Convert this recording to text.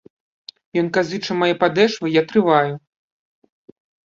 Ён казыча мае падэшвы, я трываю.